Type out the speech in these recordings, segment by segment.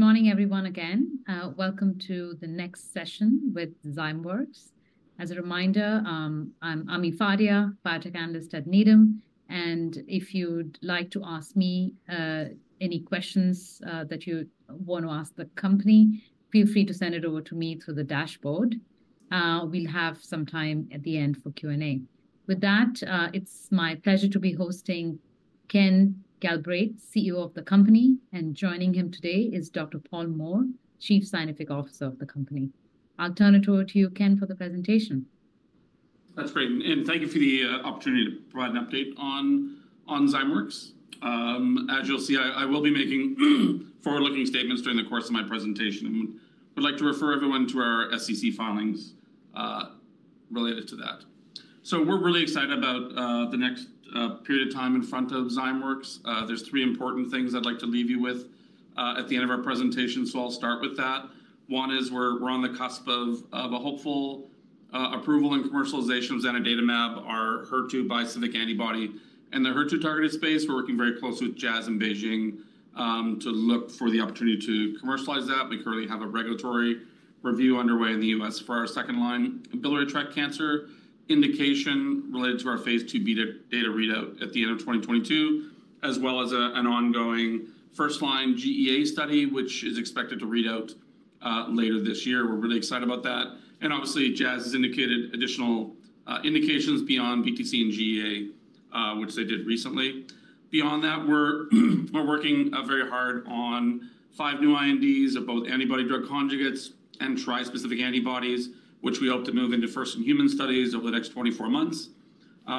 Good morning, everyone, again. Welcome to the next session with Zymeworks. As a reminder, I'm Ami Fadia, biotech analyst at Needham, and if you'd like to ask me any questions that you want to ask the company, feel free to send it over to me through the dashboard. We'll have some time at the end for Q&A. With that, it's my pleasure to be hosting Ken Galbraith, CEO of the company, and joining him today is Dr. Paul Moore, Chief Scientific Officer of the company. I'll turn it over to you, Ken, for the presentation. That's great, and thank you for the opportunity to provide an update on Zymeworks. As you'll see, I will be making forward-looking statements during the course of my presentation, and would like to refer everyone to our SEC filings related to that. So we're really excited about the next period of time in front of Zymeworks. There's three important things I'd like to leave you with at the end of our presentation, so I'll start with that. One is we're on the cusp of a hopeful approval and commercialization of zanidatamab, our HER2 bispecific antibody, and the HER2-targeted space, we're working very closely with Jazz and BeiGene to look for the opportunity to commercialize that. We currently have a regulatory review underway in the U.S. for our second-line biliary tract cancer indication related to our Phase II beta readout at the end of 2022, as well as an ongoing first-line GEA study, which is expected to readout later this year. We're really excited about that. And obviously, Jazz has indicated additional indications beyond BTC and GEA, which they did recently. Beyond that, we're working very hard on 5 new INDs of both antibody-drug conjugates and trispecific antibodies, which we hope to move into first-in-human studies over the next 24 months.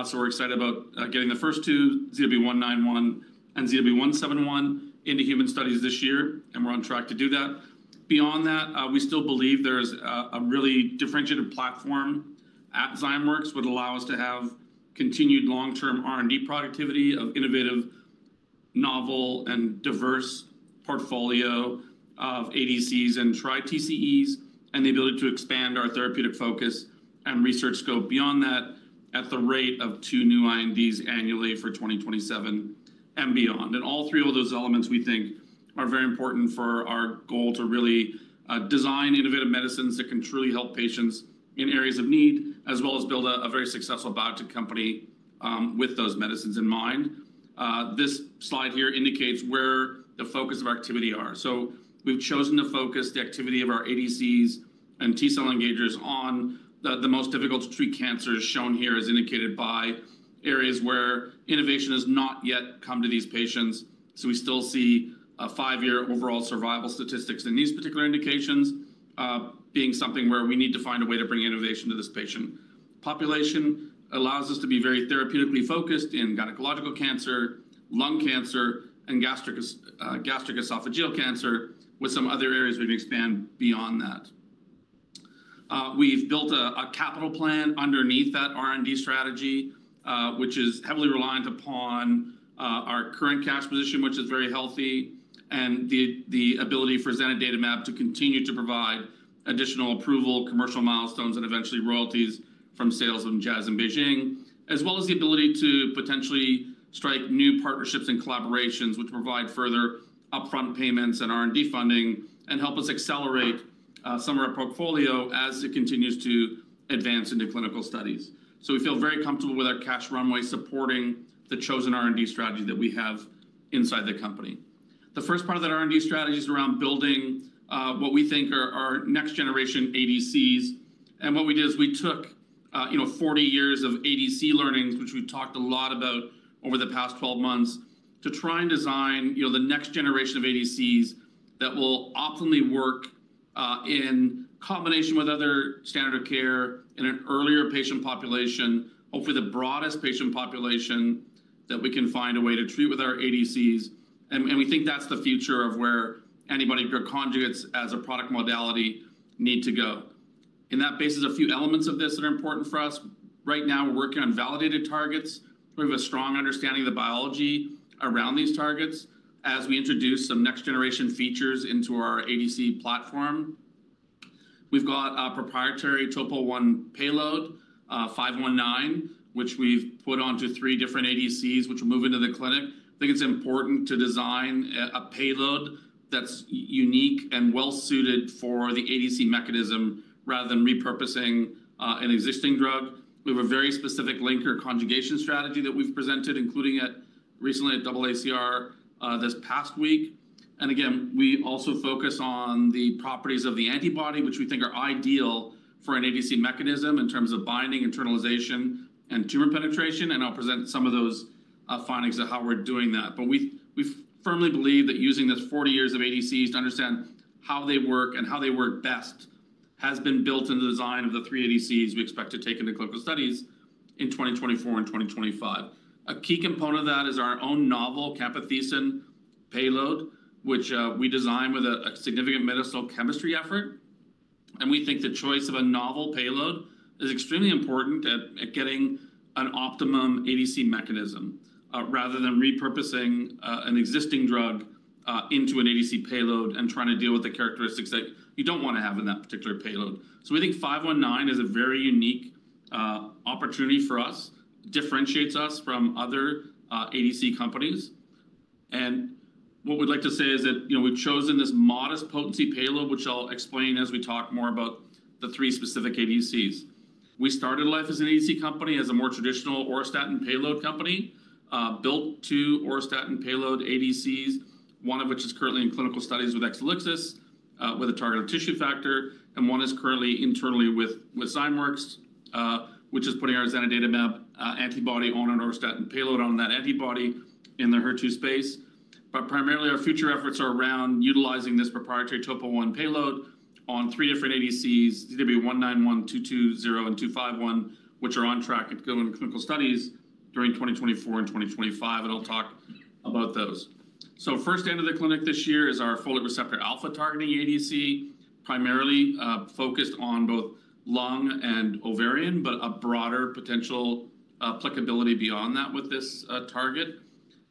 So we're excited about getting the first 2, ZB191 and ZW171, into human studies this year, and we're on track to do that. Beyond that, we still believe there is a, a really differentiated platform at Zymeworks that would allow us to have continued long-term R&D productivity of innovative, novel, and diverse portfolio of ADCs and tri-TCEs, and the ability to expand our therapeutic focus and research scope beyond that at the rate of two new INDs annually for 2027 and beyond. All three of those elements, we think, are very important for our goal to really design innovative medicines that can truly help patients in areas of need, as well as build a, a very successful biotech company, with those medicines in mind. This slide here indicates where the focus of our activity are. We've chosen to focus the activity of our ADCs and T-cell engagers on the, the most difficult-to-treat cancers, shown here as indicated by areas where innovation has not yet come to these patients. So we still see a 5-year overall survival statistics in these particular indications, being something where we need to find a way to bring innovation to this patient population. It allows us to be very therapeutically focused in gynecological cancer, lung cancer, and gastric esophageal cancer, with some other areas we can expand beyond that. We've built a capital plan underneath that R&D strategy, which is heavily reliant upon our current cash position, which is very healthy, and the ability for Zanidatamab to continue to provide additional approval, commercial milestones, and eventually royalties from sales from Jazz and BeiGene, as well as the ability to potentially strike new partnerships and collaborations which provide further upfront payments and R&D funding and help us accelerate some of our portfolio as it continues to advance into clinical studies. So we feel very comfortable with our cash runway supporting the chosen R&D strategy that we have inside the company. The first part of that R&D strategy is around building what we think are our next-generation ADCs. And what we did is we took, you know, 40 years of ADC learnings, which we've talked a lot about over the past 12 months, to try and design, you know, the next generation of ADCs that will optimally work in combination with other standard of care in an earlier patient population, hopefully the broadest patient population, that we can find a way to treat with our ADCs. And we think that's the future of where antibody-drug conjugates as a product modality need to go. And that bases a few elements of this that are important for us. Right now, we're working on validated targets. We have a strong understanding of the biology around these targets as we introduce some next-generation features into our ADC platform. We've got a proprietary TOPO-1 payload, 519, which we've put onto three different ADCs which will move into the clinic. I think it's important to design a payload that's unique and well-suited for the ADC mechanism rather than repurposing an existing drug. We have a very specific linker conjugation strategy that we've presented, including recently at AACR, this past week. And again, we also focus on the properties of the antibody, which we think are ideal for an ADC mechanism in terms of binding, internalization, and tumor penetration. And I'll present some of those findings of how we're doing that. But we, we firmly believe that using this 40 years of ADCs to understand how they work and how they work best has been built into the design of the three ADCs we expect to take into clinical studies in 2024 and 2025. A key component of that is our own novel camptothecin payload, which we designed with a significant medicinal chemistry effort. And we think the choice of a novel payload is extremely important at getting an optimum ADC mechanism, rather than repurposing an existing drug into an ADC payload and trying to deal with the characteristics that you don't want to have in that particular payload. So we think 519 is a very unique opportunity for us, differentiates us from other ADC companies. And what we'd like to say is that, you know, we've chosen this modest potency payload, which I'll explain as we talk more about the three specific ADCs. We started life as an ADC company as a more traditional auristatin payload company, built two auristatin payload ADCs, one of which is currently in clinical studies with Exelixis, with a targeted tissue factor, and one is currently internally with Zymeworks, which is putting our zanidatamab antibody on an auristatin payload on that antibody in the HER2 space. But primarily, our future efforts are around utilizing this proprietary TOPO-1 payload on three different ADCs, ZW191, ZW220, and ZW251, which are on track to go into clinical studies during 2024 and 2025, and I'll talk about those. So first IND in the clinic this year is our folate receptor alpha targeting ADC, primarily focused on both lung and ovarian, but a broader potential applicability beyond that with this target.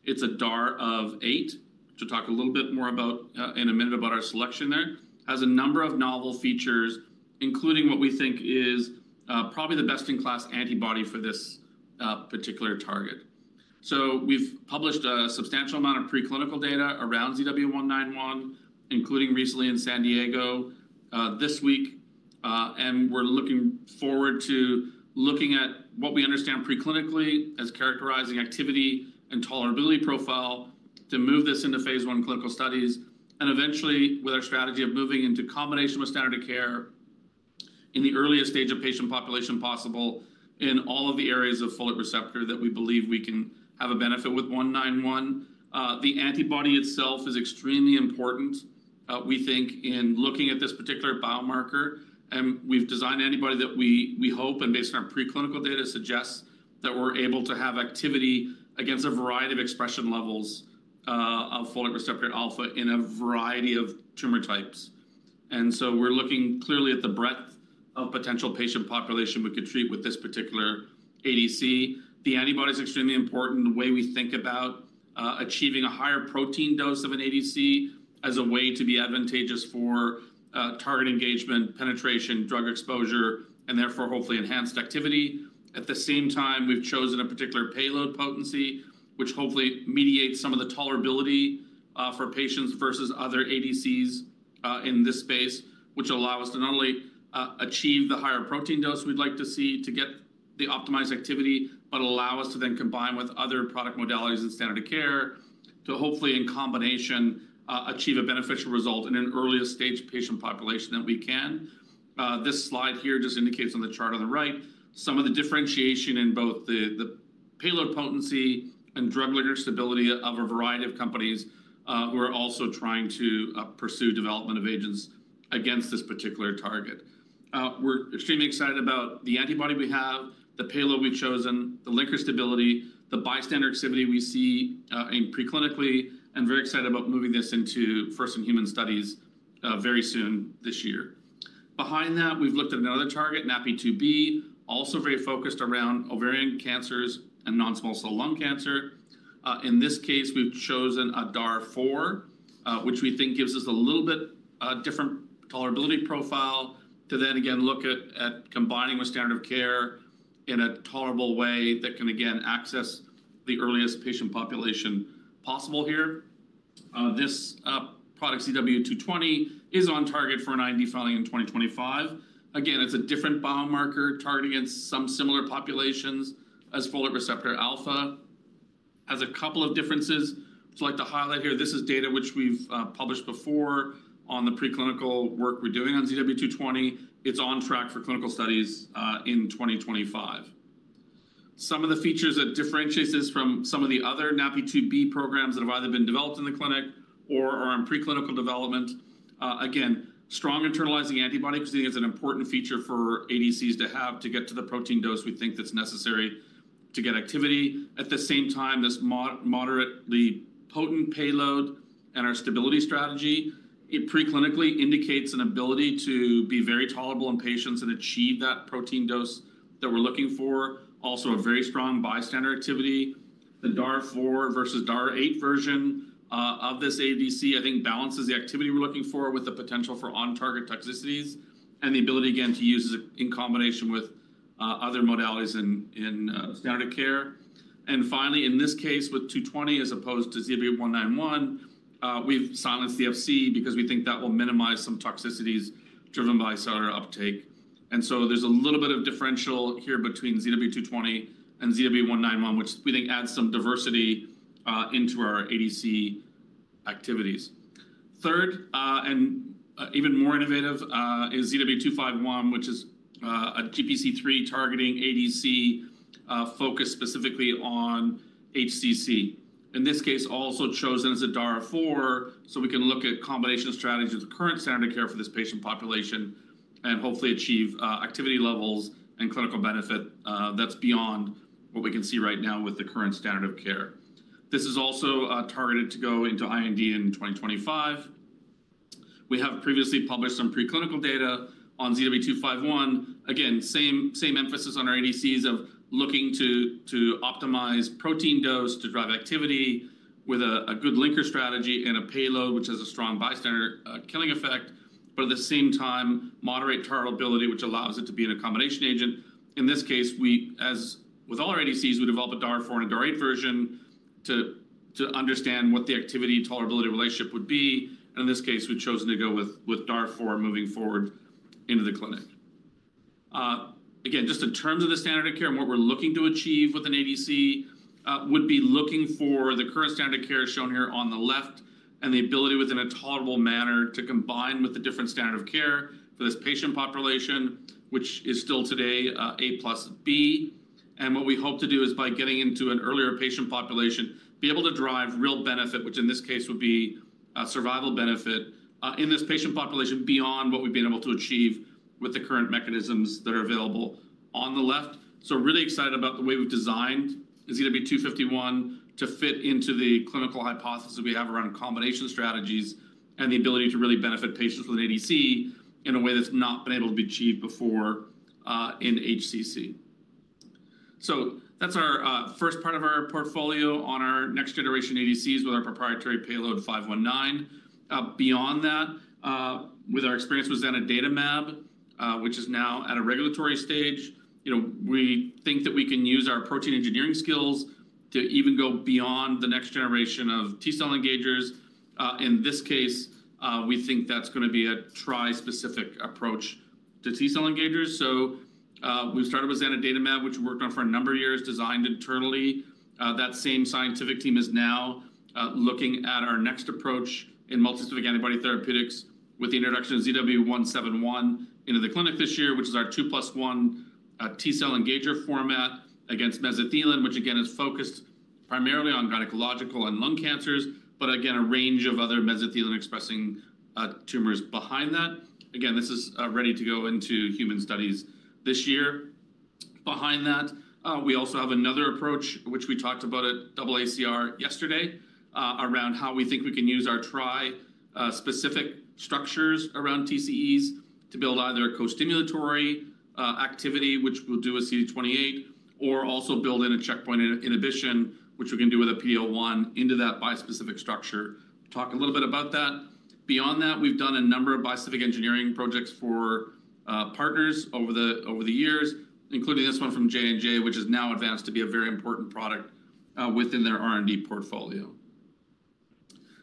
It's a DAR of 8, which I'll talk a little bit more about in a minute about our selection there. It has a number of novel features, including what we think is probably the best-in-class antibody for this particular target. So we've published a substantial amount of preclinical data around ZW191, including recently in San Diego this week, and we're looking forward to looking at what we understand preclinically as characterizing activity and tolerability profile to move this into phase I clinical studies. And eventually, with our strategy of moving into combination with standard of care in the earliest stage of patient population possible in all of the areas of folate receptor that we believe we can have a benefit with 191. The antibody itself is extremely important, we think, in looking at this particular biomarker. And we've designed an antibody that we, we hope, and based on our preclinical data, suggests that we're able to have activity against a variety of expression levels, of folate receptor alpha in a variety of tumor types. And so we're looking clearly at the breadth of potential patient population we could treat with this particular ADC. The antibody is extremely important, the way we think about, achieving a higher protein dose of an ADC as a way to be advantageous for, target engagement, penetration, drug exposure, and therefore, hopefully, enhanced activity. At the same time, we've chosen a particular payload potency, which hopefully mediates some of the tolerability, for patients versus other ADCs, in this space, which allow us to not only, achieve the higher protein dose we'd like to see to get the optimized activity, but allow us to then combine with other product modalities and standard of care to hopefully, in combination, achieve a beneficial result in an earliest stage patient population that we can. This slide here just indicates on the chart on the right some of the differentiation in both the payload potency and drug linker stability of a variety of companies, who are also trying to, pursue development of agents against this particular target. We're extremely excited about the antibody we have, the payload we've chosen, the linker stability, the bystander activity we see in preclinically, and very excited about moving this into first-in-human studies very soon this year. Behind that, we've looked at another target, NaPi2b, also very focused around ovarian cancers and non-small cell lung cancer. In this case, we've chosen a DAR 4, which we think gives us a little bit different tolerability profile to then again look at combining with standard of care in a tolerable way that can again access the earliest patient population possible here. This product, ZW220, is on target for an IND filing in 2025. Again, it's a different biomarker targeting against some similar populations as folate receptor alpha. It has a couple of differences. I'd like to highlight here; this is data which we've published before on the preclinical work we're doing on ZW220. It's on track for clinical studies in 2025. Some of the features that differentiate this from some of the other NaPi2b programs that have either been developed in the clinic or are in preclinical development, again, strong internalizing antibody because we think it's an important feature for ADCs to have to get to the protein dose we think that's necessary to get activity. At the same time, this moderately potent payload and our stability strategy, it preclinically indicates an ability to be very tolerable in patients and achieve that protein dose that we're looking for, also a very strong bystander activity. The DAR 4 versus DAR 8 version of this ADC, I think, balances the activity we're looking for with the potential for on-target toxicities and the ability, again, to use this in combination with other modalities in standard of care. And finally, in this case with 220 as opposed to ZW191, we've silenced the FC because we think that will minimize some toxicities driven by cellular uptake. And so there's a little bit of differential here between ZW220 and ZW191, which we think adds some diversity into our ADC activities. Third, and even more innovative, is ZW251, which is a GPC3 targeting ADC, focused specifically on HCC. In this case, also chosen as a DAR 4 so we can look at combination strategies with the current standard of care for this patient population and hopefully achieve activity levels and clinical benefit that's beyond what we can see right now with the current standard of care. This is also targeted to go into IND in 2025. We have previously published some preclinical data on ZW251. Again, same emphasis on our ADCs of looking to optimize protein dose to drive activity with a good linker strategy and a payload which has a strong bystander killing effect, but at the same time, moderate tolerability which allows it to be a combination agent. In this case, as with all our ADCs, we develop a DAR 4 and a DAR 8 version to understand what the activity tolerability relationship would be. In this case, we've chosen to go with DAR 4 moving forward into the clinic. Again, just in terms of the standard of care and what we're looking to achieve with an ADC, would be looking for the current standard of care shown here on the left and the ability within a tolerable manner to combine with the different standard of care for this patient population, which is still today, A plus B. And what we hope to do is by getting into an earlier patient population, be able to drive real benefit, which in this case would be, survival benefit, in this patient population beyond what we've been able to achieve with the current mechanisms that are available on the left. So really excited about the way we've designed ZW251 to fit into the clinical hypothesis we have around combination strategies and the ability to really benefit patients with an ADC in a way that's not been able to be achieved before, in HCC. So that's our first part of our portfolio on our next-generation ADCs with our proprietary payload 519. Beyond that, with our experience with zanidatamab, which is now at a regulatory stage, you know, we think that we can use our protein engineering skills to even go beyond the next generation of T-cell engagers. In this case, we think that's going to be a trispecific approach to T-cell engagers. So, we've started with zanidatamab, which we worked on for a number of years, designed internally. That same scientific team is now looking at our next approach in multispecific antibody therapeutics with the introduction of ZW171 into the clinic this year, which is our 2+1 T-cell engager format against mesothelin, which again is focused primarily on gynecological and lung cancers, but again, a range of other mesothelin-expressing tumors behind that. Again, this is ready to go into human studies this year. Behind that, we also have another approach, which we talked about at AACR yesterday, around how we think we can use our trispecific structures around TCEs to build either a co-stimulatory activity, which we'll do with CD28, or also build in a checkpoint inhibition, which we can do with a PD-L1 into that bispecific structure. Talk a little bit about that. Beyond that, we've done a number of bispecific engineering projects for partners over the years, including this one from J&J, which has now advanced to be a very important product within their R&D portfolio.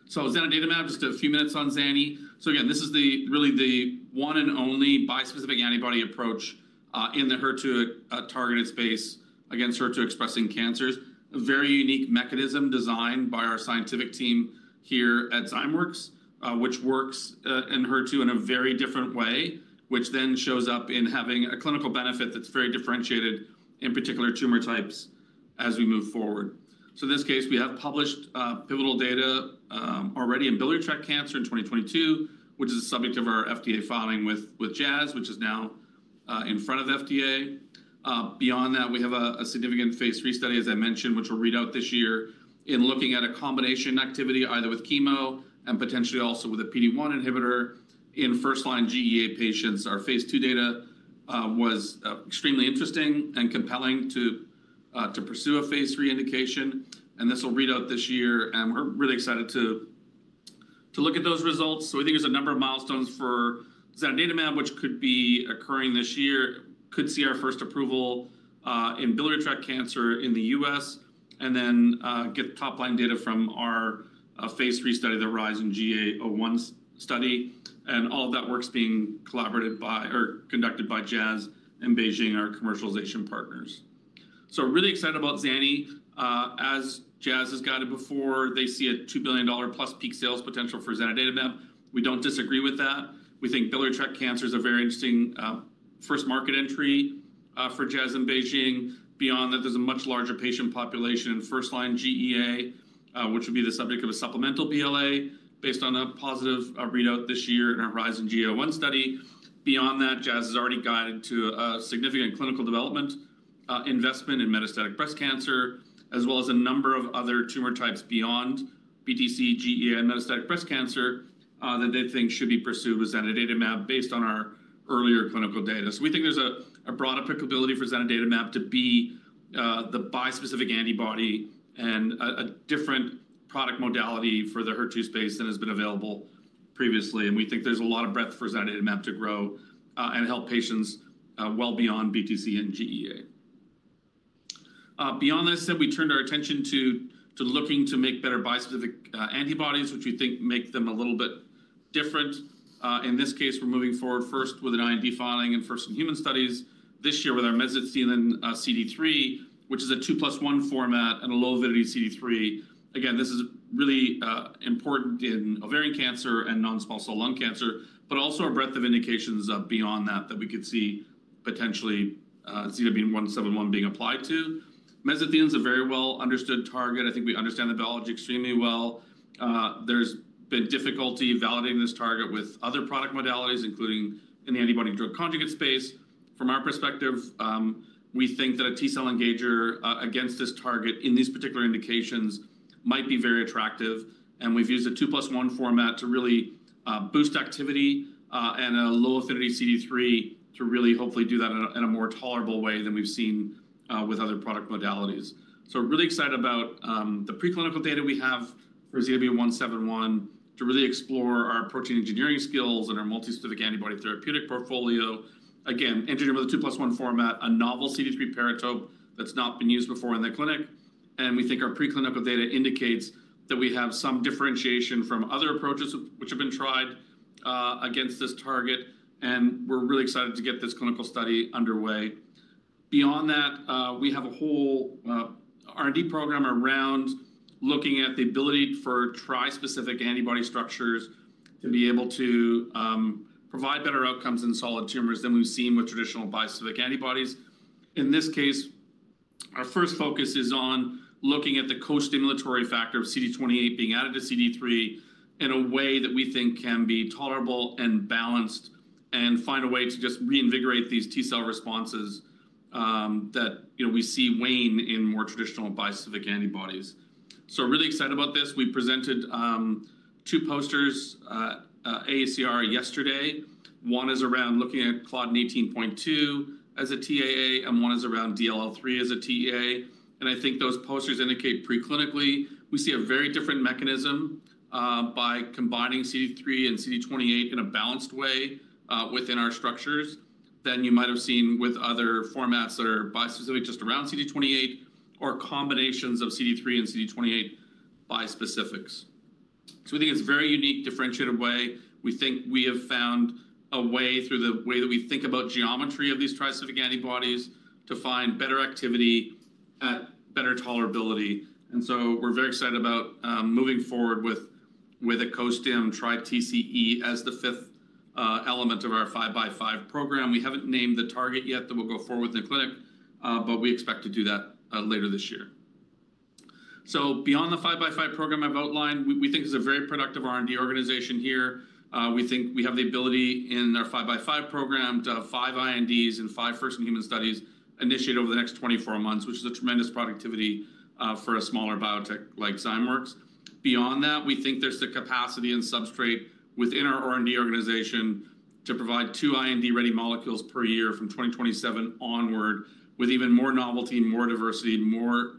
So zanidatamab, just a few minutes on Zani. So again, this is really the one and only bispecific antibody approach in the HER2-targeted space against HER2-expressing cancers. A very unique mechanism designed by our scientific team here at Zymeworks, which works in HER2 in a very different way, which then shows up in having a clinical benefit that's very differentiated in particular tumor types as we move forward. So in this case, we have published pivotal data already in biliary tract cancer in 2022, which is the subject of our FDA filing with Jazz, which is now in front of FDA. Beyond that, we have a significant phase III study, as I mentioned, which we'll read out this year in looking at combination activity either with chemo and potentially also with a PD-1 inhibitor in first-line GEA patients. Our phase II data was extremely interesting and compelling to pursue a phase III indication. And this will read out this year. And we're really excited to look at those results. So we think there's a number of milestones for zanidatamab, which could be occurring this year, could see our first approval, in biliary tract cancer in the U.S., and then, get top-line data from our, phase III study, the RISE and GA01 study. And all of that work's being collaborated by or conducted by Jazz and BeiGene, our commercialization partners. So really excited about Zani, as Jazz has gotten before, they see a $2 billion-plus peak sales potential for zanidatamab. We don't disagree with that. We think biliary tract cancer is a very interesting, first market entry, for Jazz in BeiGene. Beyond that, there's a much larger patient population in first-line GEA, which would be the subject of a supplemental PLA based on a positive, readout this year in our HERIZON-GEA-01 study. Beyond that, Jazz has already gotten to a significant clinical development, investment in metastatic breast cancer, as well as a number of other tumor types beyond BTC, GEA, and metastatic breast cancer, that they think should be pursued with zanidatamab based on our earlier clinical data. So we think there's a, a broad applicability for zanidatamab to be, the bispecific antibody and a, a different product modality for the HER2 space than has been available previously. And we think there's a lot of breadth for zanidatamab to grow, and help patients, well beyond BTC and GEA. Beyond that, I said we turned our attention to, to looking to make better bispecific, antibodies, which we think make them a little bit different. In this case, we're moving forward first with an IND filing and first-in-human studies this year with our mesothelin CD3, which is a 2+1 format and a low-avidity CD3. Again, this is really important in ovarian cancer and non-small cell lung cancer, but also a breadth of indications beyond that that we could see potentially ZW171 being applied to. Mesothelin is a very well-understood target. I think we understand the biology extremely well. There's been difficulty validating this target with other product modalities, including in the antibody-drug conjugate space. From our perspective, we think that a T-cell engager against this target in these particular indications might be very attractive. And we've used a 2+1 format to really boost activity, and a low-affinity CD3 to really hopefully do that in a more tolerable way than we've seen with other product modalities. So really excited about the preclinical data we have for ZW171 to really explore our protein engineering skills and our multispecific antibody therapeutic portfolio. Again, engineered with a 2 + 1 format, a novel CD3 paratope that's not been used before in the clinic. And we think our preclinical data indicates that we have some differentiation from other approaches which have been tried, against this target. And we're really excited to get this clinical study underway. Beyond that, we have a whole R&D program around looking at the ability for tri-specific antibody structures to be able to provide better outcomes in solid tumors than we've seen with traditional bispecific antibodies. In this case, our first focus is on looking at the co-stimulatory factor of CD28 being added to CD3 in a way that we think can be tolerable and balanced and find a way to just reinvigorate these T-cell responses, that, you know, we see wane in more traditional bispecific antibodies. So really excited about this. We presented two posters, AACR yesterday. One is around looking at Claudin-18.2 as a TAA and one is around DLL3 as a TAA. And I think those posters indicate preclinically, we see a very different mechanism, by combining CD3 and CD28 in a balanced way, within our structures than you might have seen with other formats that are bispecific just around CD28 or combinations of CD3 and CD28 bispecifics. So we think it's a very unique, differentiated way. We think we have found a way through the way that we think about geometry of these tri-specific antibodies to find better activity at better tolerability. So we're very excited about moving forward with a co-stim tri-TCE as the fifth element of our 5x5 program. We haven't named the target yet that we'll go forward with in the clinic, but we expect to do that later this year. So beyond the 5x5 program I've outlined, we, we think it's a very productive R&D organization here. We think we have the ability in our 5x5 program to have five INDs and five first-in-human studies initiated over the next 24 months, which is a tremendous productivity for a smaller biotech like Zymeworks. Beyond that, we think there's the capacity and substrate within our R&D organization to provide 2 IND-ready molecules per year from 2027 onward with even more novelty, more diversity, more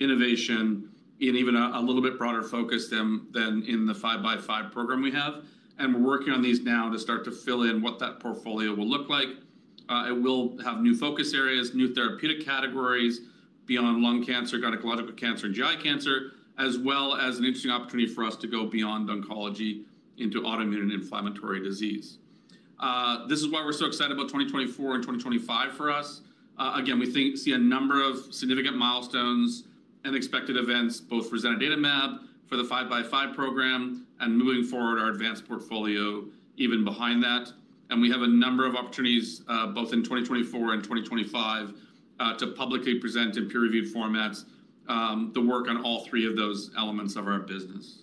innovation in even a little bit broader focus than in the 5x5 Program we have. We're working on these now to start to fill in what that portfolio will look like. It will have new focus areas, new therapeutic categories beyond lung cancer, gynecological cancer, and GI cancer, as well as an interesting opportunity for us to go beyond oncology into autoimmune and inflammatory disease. This is why we're so excited about 2024 and 2025 for us. Again, we think we'll see a number of significant milestones and expected events both for zanidatamab for the 5x5 Program and moving forward our advanced portfolio even behind that. We have a number of opportunities, both in 2024 and 2025, to publicly present in peer-reviewed formats the work on all three of those elements of our business.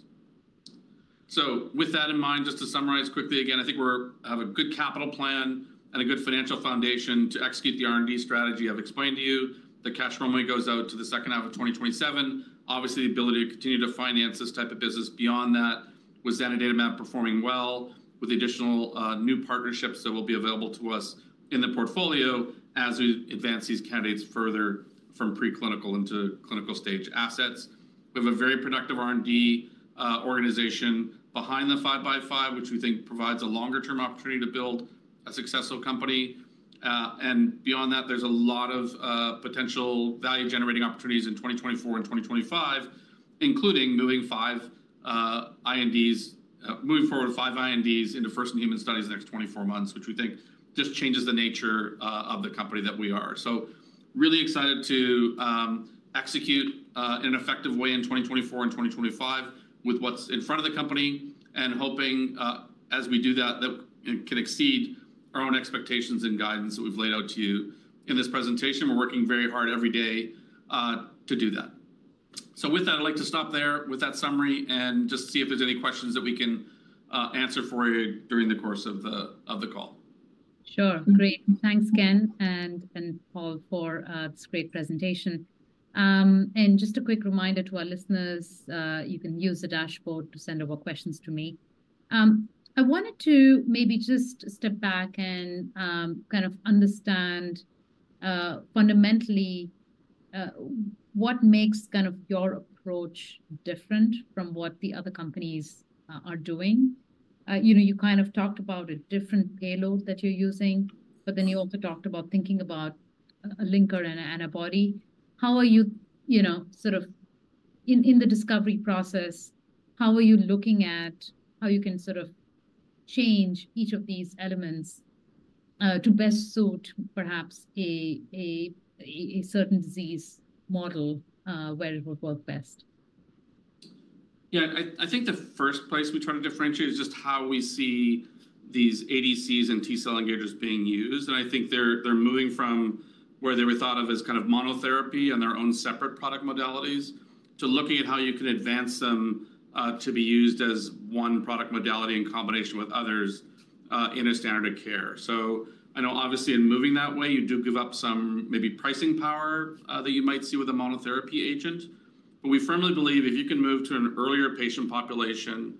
So with that in mind, just to summarize quickly, again, I think we have a good capital plan and a good financial foundation to execute the R&D strategy I've explained to you. The cash runway goes out to the second half of 2027. Obviously, the ability to continue to finance this type of business beyond that with zanidatamab performing well with additional, new partnerships that will be available to us in the portfolio as we advance these candidates further from preclinical into clinical stage assets. We have a very productive R&D organization behind the 5x5, which we think provides a longer-term opportunity to build a successful company. And beyond that, there's a lot of potential value-generating opportunities in 2024 and 2025, including moving 5 INDs, moving forward with 5 INDs into first-in-human studies in the next 24 months, which we think just changes the nature of the company that we are. So really excited to execute in an effective way in 2024 and 2025 with what's in front of the company and hoping, as we do that, that it can exceed our own expectations and guidance that we've laid out to you in this presentation. We're working very hard every day to do that. So with that, I'd like to stop there with that summary and just see if there's any questions that we can answer for you during the course of the call. Sure. Great. Thanks, Ken, and Paul for this great presentation. Just a quick reminder to our listeners, you can use the dashboard to send over questions to me. I wanted to maybe just step back and kind of understand, fundamentally, what makes kind of your approach different from what the other companies are doing. You know, you kind of talked about a different payload that you're using, but then you also talked about thinking about a linker and an antibody. How are you, you know, sort of in the discovery process, how are you looking at how you can sort of change each of these elements to best suit perhaps a certain disease model, where it would work best? Yeah. I, I think the first place we try to differentiate is just how we see these ADCs and T-cell engagers being used. And I think they're, they're moving from where they were thought of as kind of monotherapy and their own separate product modalities to looking at how you can advance them, to be used as one product modality in combination with others, in a standard of care. So I know obviously in moving that way, you do give up some maybe pricing power, that you might see with a monotherapy agent. But we firmly believe if you can move to an earlier patient population,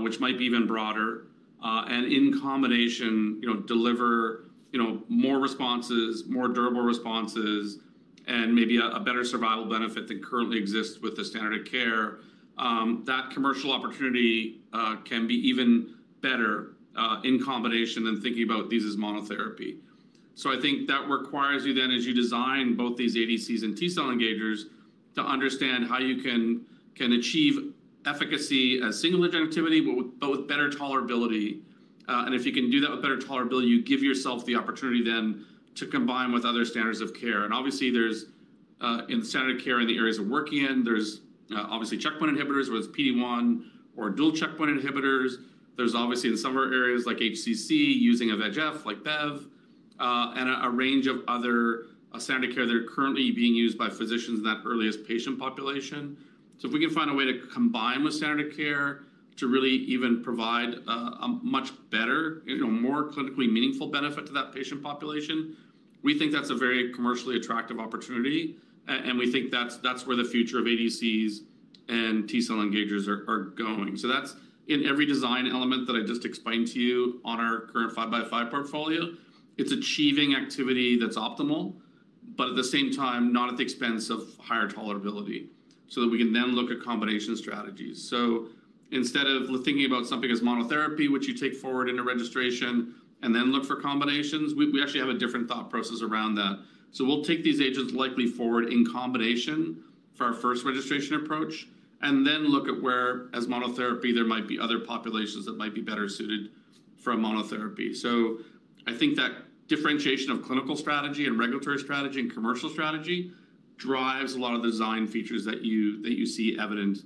which might be even broader, and in combination, you know, deliver, you know, more responses, more durable responses, and maybe a better survival benefit than currently exists with the standard of care, that commercial opportunity can be even better in combination than thinking about these as monotherapy. So I think that requires you then, as you design both these ADCs and T-cell engagers, to understand how you can achieve efficacy as single-agent activity, but with better tolerability. And if you can do that with better tolerability, you give yourself the opportunity then to combine with other standards of care. And obviously, there's in the standard of care and the areas we're working in, there's obviously checkpoint inhibitors whether it's PD-1 or dual checkpoint inhibitors. There's obviously in some of our areas like HCC using a VEGF like BEV, and a range of other, standard of care that are currently being used by physicians in that earliest patient population. So if we can find a way to combine with standard of care to really even provide, a much better, you know, more clinically meaningful benefit to that patient population, we think that's a very commercially attractive opportunity. And, and we think that's, that's where the future of ADCs and T-cell engagers are, are going. So that's in every design element that I just explained to you on our current 5x5 portfolio. It's achieving activity that's optimal, but at the same time, not at the expense of higher tolerability so that we can then look at combination strategies. So instead of thinking about something as monotherapy, which you take forward into registration and then look for combinations, we actually have a different thought process around that. So we'll take these agents likely forward in combination for our first registration approach and then look at where, as monotherapy, there might be other populations that might be better suited for monotherapy. So I think that differentiation of clinical strategy and regulatory strategy and commercial strategy drives a lot of the design features that you see evident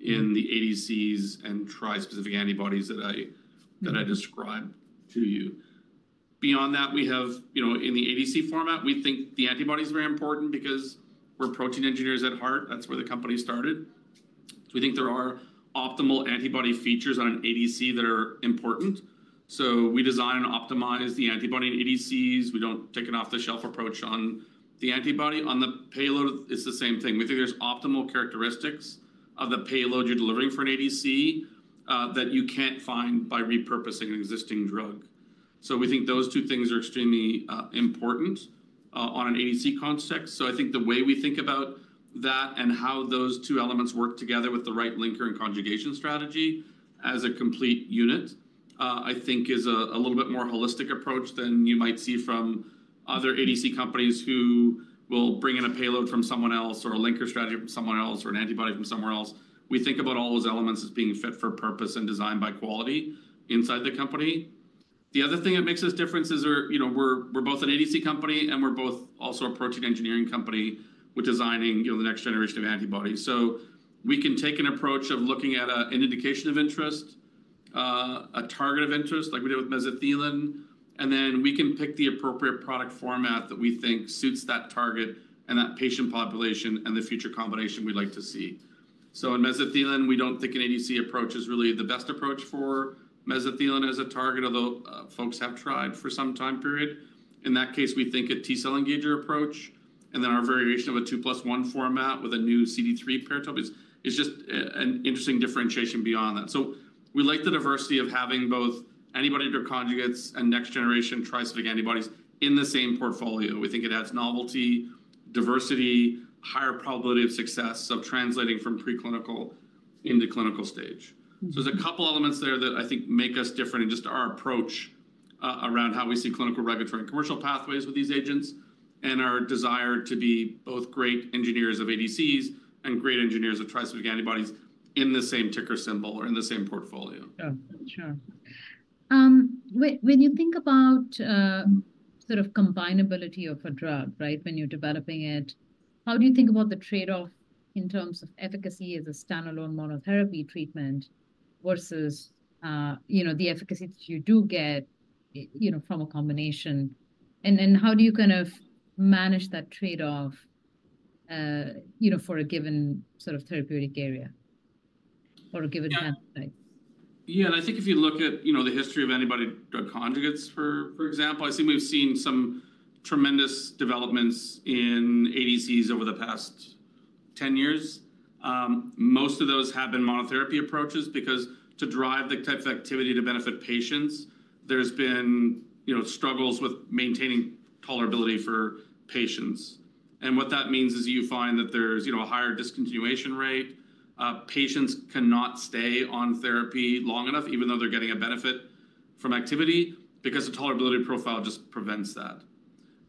in the ADCs and tri-specific antibodies that I described to you. Beyond that, we have, you know, in the ADC format, we think the antibody is very important because we're protein engineers at heart. That's where the company started. So we think there are optimal antibody features on an ADC that are important. So we design and optimize the antibody in ADCs. We don't take an off-the-shelf approach on the antibody. On the payload, it's the same thing. We think there's optimal characteristics of the payload you're delivering for an ADC, that you can't find by repurposing an existing drug. So we think those two things are extremely important on an ADC context. So I think the way we think about that and how those two elements work together with the right linker and conjugation strategy as a complete unit, I think is a little bit more holistic approach than you might see from other ADC companies who will bring in a payload from someone else or a linker strategy from someone else or an antibody from somewhere else. We think about all those elements as being fit for purpose and designed by quality inside the company. The other thing that makes us different is that, you know, we're both an ADC company and we're both also a protein engineering company with designing, you know, the next generation of antibodies. So we can take an approach of looking at an indication of interest, a target of interest like we did with mesothelin, and then we can pick the appropriate product format that we think suits that target and that patient population and the future combination we'd like to see. So in mesothelin, we don't think an ADC approach is really the best approach for mesothelin as a target, although folks have tried for some time period. In that case, we think a T-cell engager approach and then our variation of a 2+1 format with a new CD3 paratope is just an interesting differentiation beyond that. So we like the diversity of having both antibody-drug conjugates and next-generation trispecific antibodies in the same portfolio. We think it adds novelty, diversity, higher probability of success of translating from preclinical into clinical stage. So there's a couple of elements there that I think make us different in just our approach, around how we see clinical, regulatory, and commercial pathways with these agents and our desire to be both great engineers of ADCs and great engineers of trispecific antibodies in the same ticker symbol or in the same portfolio. Yeah. Sure. When you think about, sort of, the combinability of a drug, right, when you're developing it, how do you think about the trade-off in terms of efficacy as a standalone monotherapy treatment versus, you know, the efficacy that you do get, you know, from a combination? And how do you kind of manage that trade-off, you know, for a given sort of therapeutic area or a given indication? Yeah. I think if you look at, you know, the history of antibody-drug conjugates, for example, I think we've seen some tremendous developments in ADCs over the past 10 years. Most of those have been monotherapy approaches because to drive the type of activity to benefit patients, there's been, you know, struggles with maintaining tolerability for patients. And what that means is you find that there's, you know, a higher discontinuation rate. Patients cannot stay on therapy long enough even though they're getting a benefit from activity because the tolerability profile just prevents that.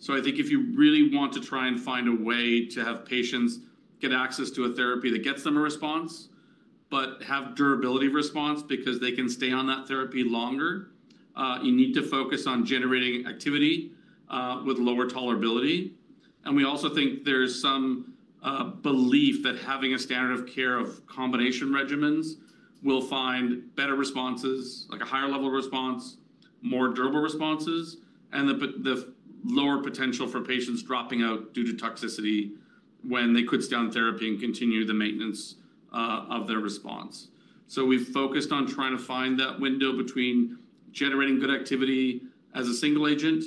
So I think if you really want to try and find a way to have patients get access to a therapy that gets them a response but have durability response because they can stay on that therapy longer, you need to focus on generating activity with lower tolerability. We also think there's some belief that having a standard of care of combination regimens will find better responses, like a higher level response, more durable responses, and the lower potential for patients dropping out due to toxicity when they taper down therapy and continue the maintenance of their response. So we've focused on trying to find that window between generating good activity as a single agent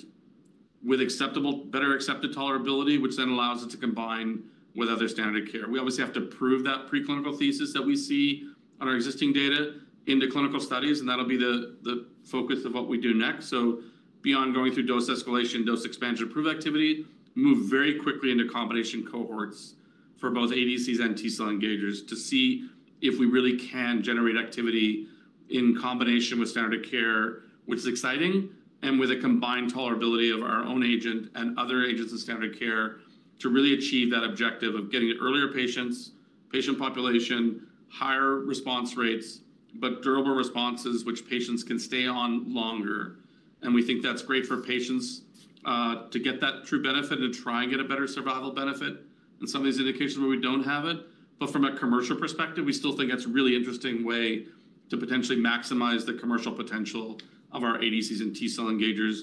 with acceptable, better accepted tolerability, which then allows it to combine with other standard of care. We obviously have to prove that preclinical thesis that we see on our existing data into clinical studies, and that'll be the focus of what we do next. So beyond going through dose escalation, dose expansion, proof of activity, move very quickly into combination cohorts for both ADCs and T-cell engagers to see if we really can generate activity in combination with standard of care, which is exciting, and with a combined tolerability of our own agent and other agents in standard of care to really achieve that objective of getting earlier patients, patient population, higher response rates, but durable responses, which patients can stay on longer. And we think that's great for patients, to get that true benefit and try and get a better survival benefit in some of these indications where we don't have it. But from a commercial perspective, we still think that's a really interesting way to potentially maximize the commercial potential of our ADCs and T-cell engagers,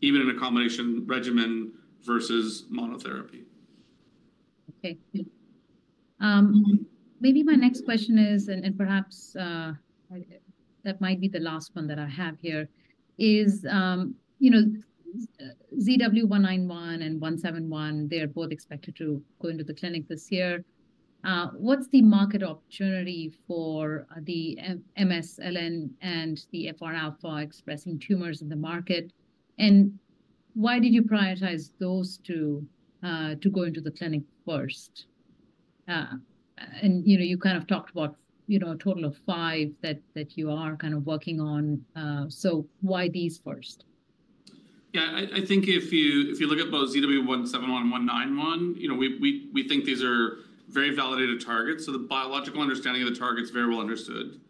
even in a combination regimen versus monotherapy. Okay. Maybe my next question is, and perhaps that might be the last one that I have here, is, you know, ZW191 and ZW171, they're both expected to go into the clinic this year. What's the market opportunity for the MSLN and the FRα expressing tumors in the market? And why did you prioritize those two to go into the clinic first? And you know, you kind of talked about, you know, a total of five that you are kind of working on. So why these first? Yeah. I think if you, if you look at both ZW171 and ZW191, you know, we, we, we think these are very validated targets. So the biological understanding of the target's very well understood,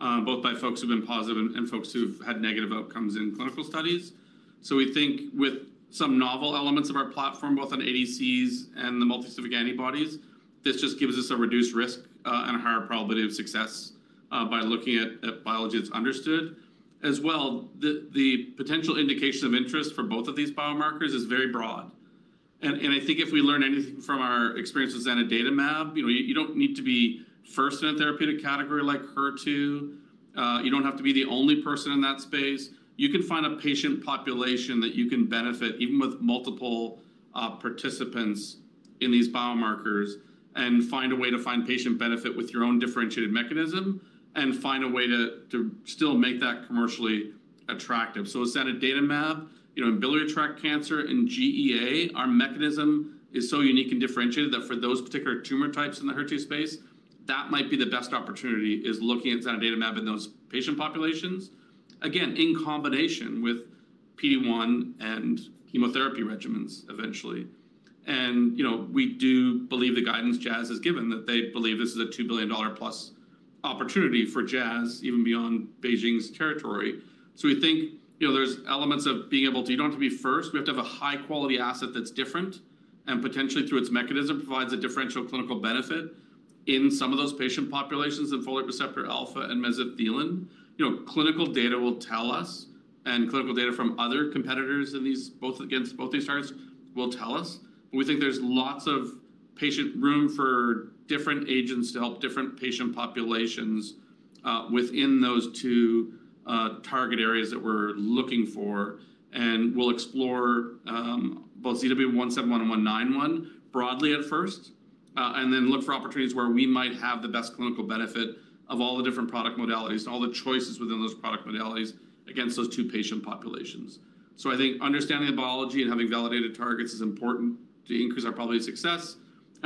both by folks who've been positive and, and folks who've had negative outcomes in clinical studies. So we think with some novel elements of our platform, both on ADCs and the multi-specific antibodies, this just gives us a reduced risk, and a higher probability of success, by looking at, at biology that's understood. As well, the, the potential indication of interest for both of these biomarkers is very broad. And, and I think if we learn anything from our experience with zanidatamab, you know, you, you don't need to be first in a therapeutic category like HER2. You don't have to be the only person in that space. You can find a patient population that you can benefit even with multiple participants in these biomarkers and find a way to find patient benefit with your own differentiated mechanism and find a way to still make that commercially attractive. So with zanidatamab, you know, in biliary tract cancer and GEA, our mechanism is so unique and differentiated that for those particular tumor types in the HER2 space, that might be the best opportunity is looking at zanidatamab in those patient populations, again, in combination with PD-1 and chemotherapy regimens eventually. And, you know, we do believe the guidance Jazz has given that they believe this is a $2 billion plus opportunity for Jazz even beyond BeiGene's territory. So we think, you know, there's elements of being able to you don't have to be first. We have to have a high-quality asset that's different and potentially through its mechanism provides a differential clinical benefit in some of those patient populations in folate receptor alpha and mesothelin. You know, clinical data will tell us, and clinical data from other competitors in these both against both these targets will tell us. But we think there's lots of patient room for different agents to help different patient populations, within those two, target areas that we're looking for. And we'll explore, both ZW171 and ZW191 broadly at first, and then look for opportunities where we might have the best clinical benefit of all the different product modalities and all the choices within those product modalities against those two patient populations. So I think understanding the biology and having validated targets is important to increase our probability of success.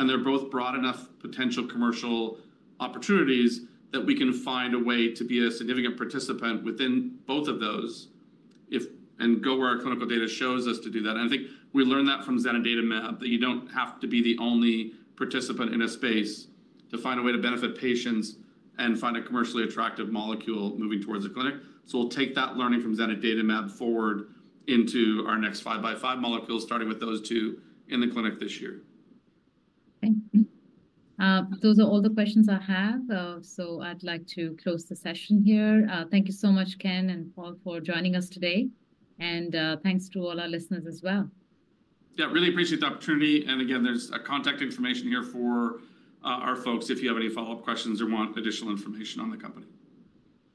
They're both broad enough potential commercial opportunities that we can find a way to be a significant participant within both of those and go where our clinical data shows us to do that. I think we learned that from Zanidatamab, that you don't have to be the only participant in a space to find a way to benefit patients and find a commercially attractive molecule moving towards the clinic. We'll take that learning from Zanidatamab forward into our next 5x5 molecules, starting with those two in the clinic this year. Okay. Those are all the questions I have. So I'd like to close the session here. Thank you so much, Ken and Paul, for joining us today. Thanks to all our listeners as well. Yeah. Really appreciate the opportunity. And again, there's contact information here for our folks if you have any follow-up questions or want additional information on the company.